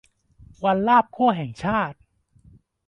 วัน ลาบคั่ว แห่งชาติ